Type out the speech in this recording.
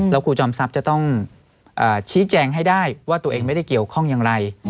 แล้วครูจอมทรัพย์จะต้องชี้แจงให้ได้ว่าตัวเองไม่ได้เกี่ยวข้องอย่างไร